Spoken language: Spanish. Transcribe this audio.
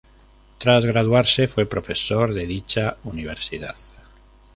Tras graduarse, fue profesor de dicha universidad.